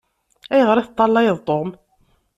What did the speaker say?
Ayɣeṛ i teṭṭalayeḍ Tom?